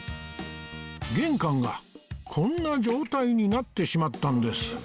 玄関がこんな状態になってしまったんです